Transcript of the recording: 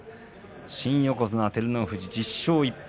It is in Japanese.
新横綱照ノ富士１０勝１敗。